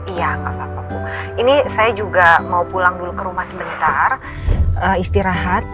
iya nggak apa apa ini saya juga mau pulang dulu ke rumah sebentar istirahat